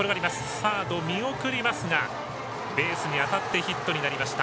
サード見送りますがベースに当たってヒットになりました。